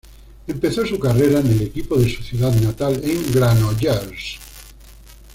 Empezó su carrera en el equipo de su ciudad natal en Granollers.